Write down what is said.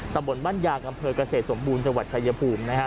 ตะบนบ้านยากำเทอด์เกษตรสมบูรณ์จังหวัดชายภูมินะครับ